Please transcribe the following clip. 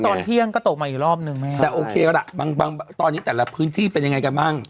ตอนเที่ยงก็ตกมาอีกรอบนึงแม่แต่โอเคล่ะบางตอนนี้แต่ละพื้นที่เป็นยังไงกันบ้าง